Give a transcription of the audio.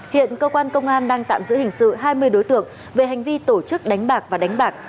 hiện cơ quan công an đang tạm giữ hình sự hai mươi đối tượng về hành vi tổ chức đánh bạc và đánh bạc